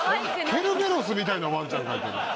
ケルベロスみたいなワンちゃん描いてる。